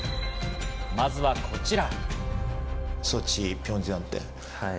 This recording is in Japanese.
まずはこちら。